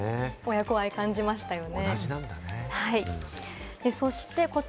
親子愛、感じましたね。